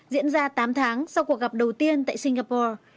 diễn ra tám tháng sau cuộc gặp đầu tiên tại singapore